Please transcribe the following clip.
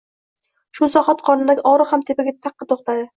Shu zahoti qornidagi og‘riq ham taqqa to‘xtadi